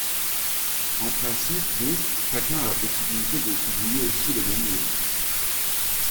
En principe, donc, chacun a la possibilité de publier aussi le même livre.